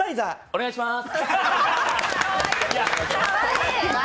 お願いしまーす。